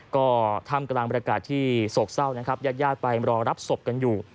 ก็ทำกำลังบรรยากาศที่โศกเศร้านะครับยาดไปรอรับศพกันอยู่